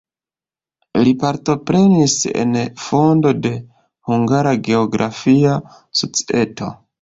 Li partoprenis en fondo de "Hungara Geografia Societo".